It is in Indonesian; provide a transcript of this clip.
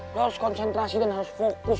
harus konsentrasi dan harus fokus